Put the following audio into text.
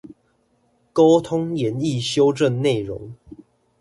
溝通研議修正內容